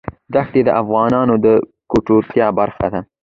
دښتې د افغانانو د ګټورتیا برخه ده.